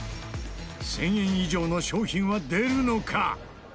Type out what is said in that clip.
１０００円以上の賞品は出るのか？